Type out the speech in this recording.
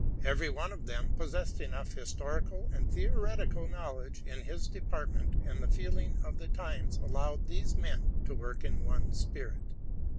Every one of them possessed enough historical and theoretical knowledge in his department, and the feeling of the times allowed these men to work in one spirit.